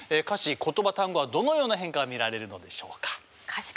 歌詞言葉単語はどのような変化が見られるのでしょうか。